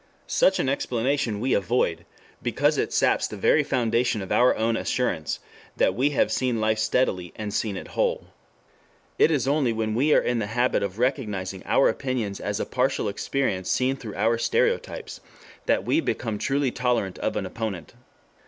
Such an explanation we avoid, because it saps the very foundation of our own assurance that we have seen life steadily and seen it whole. It is only when we are in the habit of recognizing our opinions as a partial experience seen through our stereotypes that we become truly tolerant of an opponent.